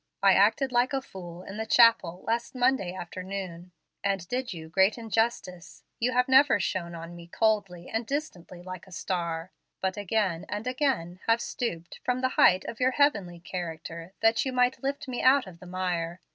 I acted like a fool in the chapel last Monday afternoon, and did you great injustice. You have never shone on me 'coldly and distantly like a star,' but again and again have stooped from the height of your heavenly character that you might lift me out of the mire.